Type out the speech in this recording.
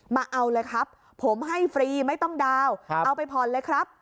มาเอาเลยครับผมให้ฟรีไม่ต้องดาวน์เอาไปผ่อนเลยครับ